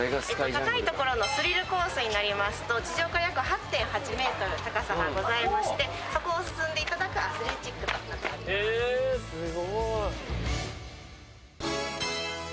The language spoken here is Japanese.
高いところのスリルコースになりますと地上から約８．８ｍ高さがありまして、そこを進んでいただくアスレチックとなっております。